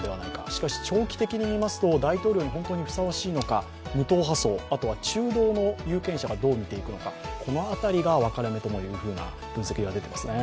しかし、長期的に見ますと大統領に本当にふさわしいのか無党派層、あと中道派の有権者がどう見るのかこの辺りが分かれ目ともいうふうな分析が出ていますね。